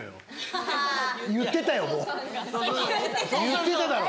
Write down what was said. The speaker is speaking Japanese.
言ってただろ。